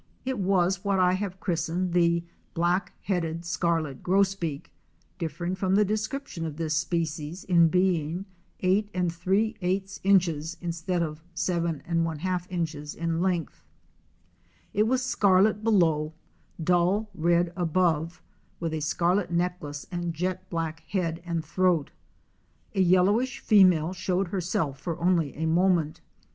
It was what I have christened the Black headed Scarlet Grosbeak, differ ing from the description of this species in being 83 instead of 74 inches in length. It was scarlet below, dull red above, with a scarlet necklace and a jet black head and throat. A yellowish female showed herself for only a moment.